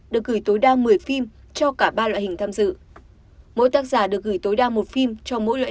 được gửi tối đa một mươi phim cho cả ba loại hình tham dự mỗi tác giả được gửi tối đa một phim cho mỗi loại